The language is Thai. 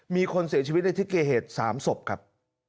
มีคนเสียชีวิตในทพิเศษ๓ศพครับ